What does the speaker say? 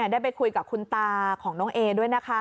ได้ไปคุยกับคุณตาของน้องเอด้วยนะคะ